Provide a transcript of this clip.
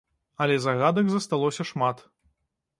Але загадак засталося шмат.